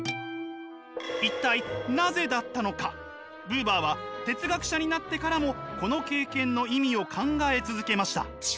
ブーバーは哲学者になってからもこの経験の意味を考え続けました。